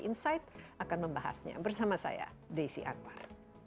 insight akan membahasnya bersama saya desi anwar